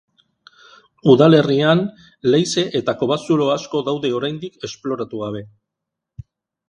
Udalerrian, leize eta kobazulo asko daude oraindik esploratu gabe.